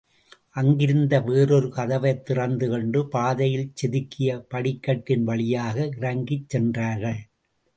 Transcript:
அங்கிருந்த வேறொரு கதவைத் திறந்து கொண்டு, பாதையில் செதுக்கிய படிக்கட்டின் வழியாக இறங்கிச் சென்றார்கள்.